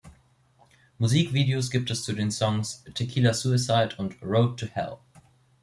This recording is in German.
Musikvideos gibt es zu den Songs "Tequila Suicide" und "Road to Hell".